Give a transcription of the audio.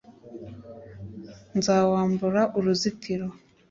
nzawambura uruzitiro